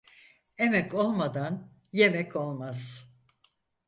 Emek olmadan yemek olmaz.